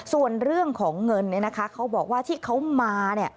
ส่วนเรื่องของเงินเขาบอกว่าที่เขามา